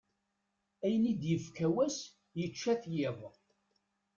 Ayen i d-ifka wass yečča-t yiḍ.